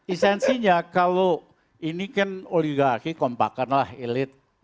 esensinya kalau ini kan oligarki kompakanlah elit